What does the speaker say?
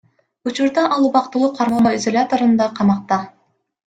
Учурда ал убактылуу кармоо изоляторунда камакта.